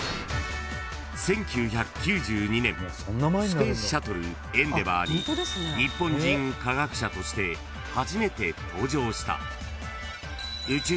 ［１９９２年スペースシャトルエンデバーに日本人科学者として初めて搭乗した］